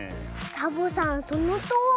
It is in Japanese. サボさんそのとおり！